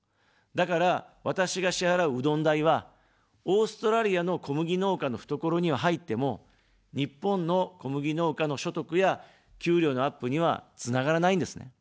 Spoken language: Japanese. だから、私が支払う、うどん代は、オーストラリアの小麦農家の懐には入っても、日本の小麦農家の所得や給料のアップにはつながらないんですね。